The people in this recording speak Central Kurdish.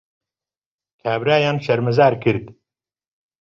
کابرایان شەرمەزار کرد